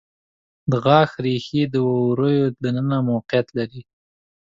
د غاښ ریښې د وریو د ننه موقعیت لري.